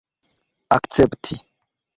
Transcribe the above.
akcepti